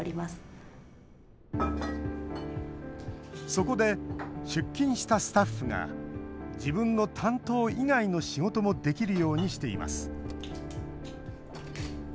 そこで、出勤したスタッフが自分の担当以外の仕事もできるようにしています。